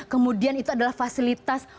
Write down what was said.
kemudian itu adalah fasilitas